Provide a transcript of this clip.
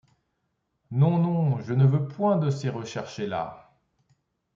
Non, non, je ne veux point de ces recherchés-là !